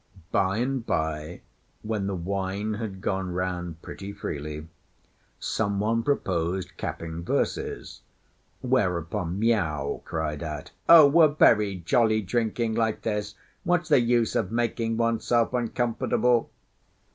By and by, when the wine had gone round pretty freely, some one proposed capping verses; whereupon Miao cried out, "Oh, we're very jolly drinking like this; what's the use of making oneself uncomfortable?"